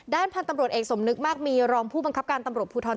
พันธุ์ตำรวจเอกสมนึกมากมีรองผู้บังคับการตำรวจภูทร